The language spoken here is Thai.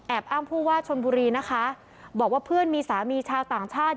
อ้างผู้ว่าชนบุรีนะคะบอกว่าเพื่อนมีสามีชาวต่างชาติ